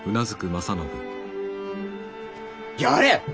やれ！